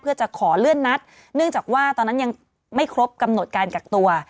เพื่อจะขอเลื่อนนัดเนื่องจากว่าตอนนั้นยังไม่ครบกำหนดการกักตัว